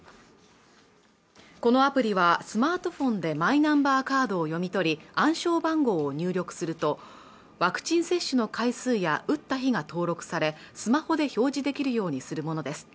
このアプリはスマートフォンでマイナンバーカードを読み取り暗証番号を入力するとワクチン接種の回数や打った日が登録されスマホで表示できるようにするものです